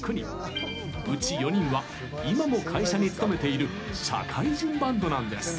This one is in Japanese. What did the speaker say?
うち４人は今も会社に勤めている社会人バンドなんです。